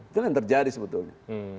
itu yang terjadi sebetulnya